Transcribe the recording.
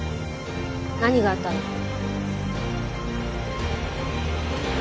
何があったの？